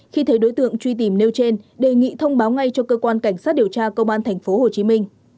khi thấy đối tượng truy tìm nêu trên đề nghị thông báo ngay cho cơ quan cảnh sát điều tra công an tp hcm